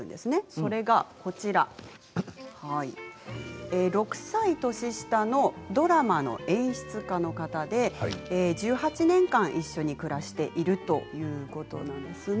それが６歳年下のドラマの演出家の方で１８年間一緒に暮らしているということなんですね。